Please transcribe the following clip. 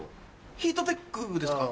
ヒートテックですか？